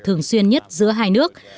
thường xuyên nhất giữa hai nước